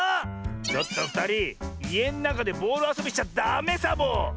ちょっとふたりいえのなかでボールあそびしちゃダメサボ！